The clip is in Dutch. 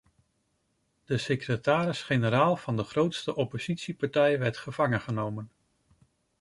De secretaris-generaal van de grootste oppositiepartij werd gevangen genomen.